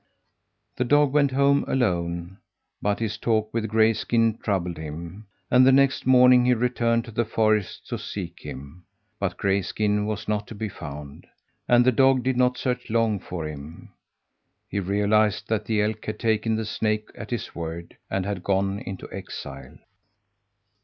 The dog went home alone; but this talk with Grayskin troubled him, and the next morning he returned to the forest to seek him, but Grayskin was not to be found, and the dog did not search long for him. He realized that the elk had taken the snake at his word, and had gone into exile.